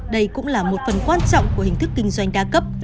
đây cũng là một phần quan trọng của hình thức kinh doanh đa cấp